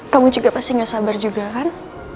kamu juga pasti gak sabar juga kan